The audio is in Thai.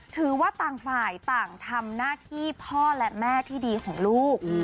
ถือว่าต่างฝ่ายต่างทำหน้าที่พ่อและแม่ที่ดีของลูก